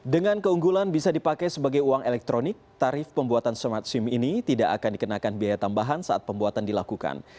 dengan keunggulan bisa dipakai sebagai uang elektronik tarif pembuatan smart sim ini tidak akan dikenakan biaya tambahan saat pembuatan dilakukan